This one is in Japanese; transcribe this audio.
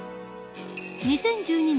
２０１２年